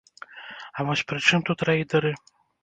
А вось пры чым тут рэйдэры?